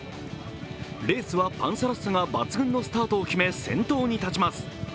レースはパンサラッサが抜群のスタートを決め先頭に立ちます。